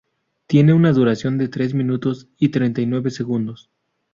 Tiene una duración de tres minutos y treinta y nueve segundos.